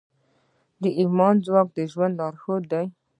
د ایمان ځواک د ژوند لارښود دی.